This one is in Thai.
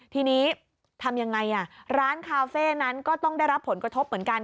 ทีนี้ทำยังไงร้านคาเฟ่นั้นก็ต้องได้รับผลกระทบเหมือนกัน